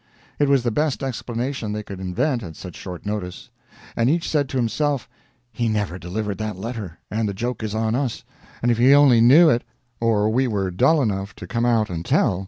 It was the best explanation they could invent at such short notice. And each said to himself, "He never delivered that letter, and the joke is on us, if he only knew it or we were dull enough to come out and tell."